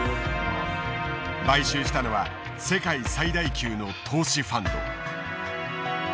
買収したのは世界最大級の投資ファンド。